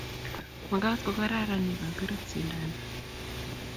makad ko kararan ye kakerut sindano.